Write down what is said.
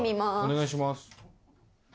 お願いします。